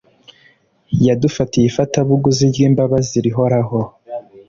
yadufatiye ifatabuguzi ry’imbabazi rihoraho